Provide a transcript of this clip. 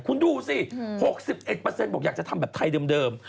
คุณดูสิ๖๑บอกอยากจะทำแบบไทยเดิม